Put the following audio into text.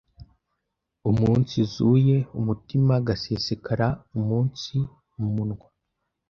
umunsizuye umutima gasesekara umunsi munwa